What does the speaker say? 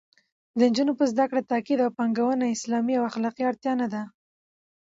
د نجونو په زده کړه تاکید او پانګونه اسلامي او اخلاقي اړتیا نه ده